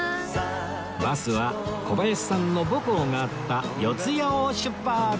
バスは小林さんの母校があった四谷を出発